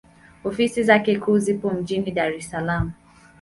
Ofisi zake kuu zipo mjini Dar es Salaam.